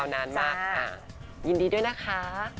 นานมากค่ะยินดีด้วยนะคะ